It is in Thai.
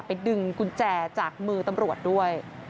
ดึงกุญแจจากมือตำรวจด้วย